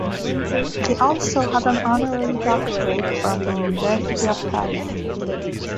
He also has an honorary doctorate from the University of Paris.